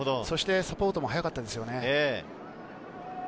サポートも速かったですよね。